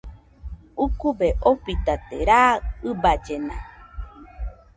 Ukube ofitate raa ɨballena